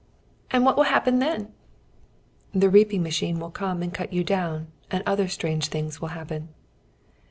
"And what will happen then?" "The reaping machine will come and cut you down, and other strange things will happen."